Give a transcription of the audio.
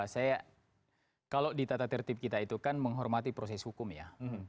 saya kalau di tata tertib kita itu kan menghormati proses hukum ya